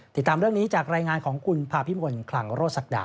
ติดตามเรื่องนี้จากรายงานของคุณภาพิมลคลังโรศักดา